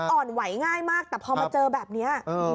อ่อนไหวง่ายมากแต่พอมาเจอแบบนี้